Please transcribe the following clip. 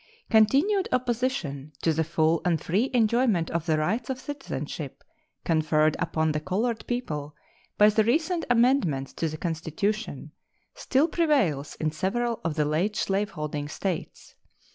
Continued opposition to the full and free enjoyment of the rights of citizenship conferred upon the colored people by the recent amendments to the Constitution still prevails in several of the late slaveholding States.